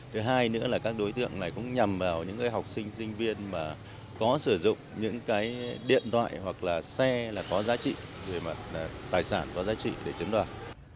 thứ hai nữa là các đối tượng này cũng nhầm vào những học sinh sinh viên mà có sử dụng những cái điện thoại hoặc là xe là có giá trị tài sản có giá trị để chiếm đoạt